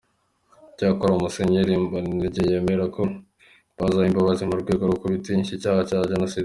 Icyakora Musenyeri Mobonyintege yemera ko bazasaba imbabazi mu rwego rwo kutishinja icyaha cya Jenoside.